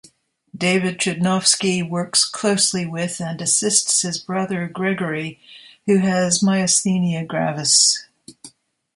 David Chudnovsky works closely with and assists his brother Gregory, who has myasthenia gravis.